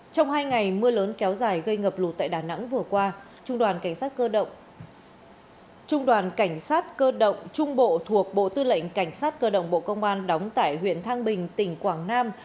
trong hai ngày mưa lớn kéo dài gây ngập lụt tại đà nẵng vừa qua trung đoàn cảnh sát cơ động trung bộ thuộc bộ tư lệnh cảnh sát cơ động bộ công an đóng tại huyện thang bình tỉnh quảng nam